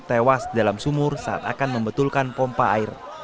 tewas di dalam sumur saat akan membetulkan pompa air